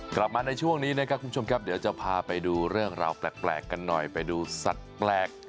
กลับมาในช่วงนี้นะครับคุณผู้ชมครับเดี๋ยวจะพาไปดูเรื่องราวแปลกกันหน่อยไปดูสัตว์แปลก